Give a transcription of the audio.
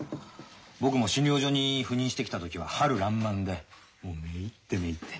僕も診療所に赴任してきた時は春爛漫でもうめいってめいって。